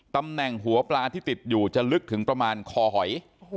ตำแหน่งหัวปลาที่ติดอยู่จะลึกถึงประมาณคอหอย